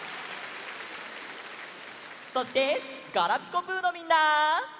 そしてガラピコぷのみんな！